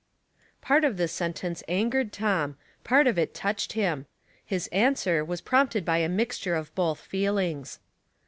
Part of this sentence angered Tom, part of it touched him ; his answer was prompted by a mixture of both feelings.